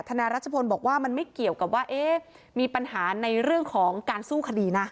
นายรัชพลบอกว่ามันไม่เกี่ยวกับว่ามีปัญหาในเรื่องของการสู้คดีนะ